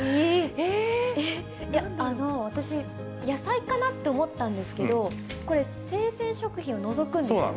えー、あの、私、野菜かなと思ったんですけど、これ、生鮮食品を除くんですよね。